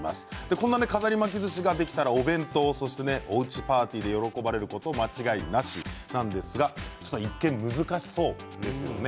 こんな飾り巻きずしができたらお弁当やおうちパーティーで喜ばれること間違いなしなんですが一見、難しそうですよね。